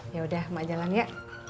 yaudah mak jalan ya